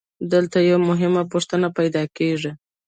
دلته یوه مهمه پوښتنه پیدا کېږي